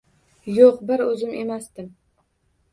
Yo`q, bir o`zim emasdim